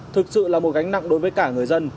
thực sự là một gánh nặng đối với cả người dân